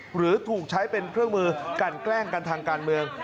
หรือถูกใช้เป็นเครื่องมือกันแกล้งกันทางการเมือง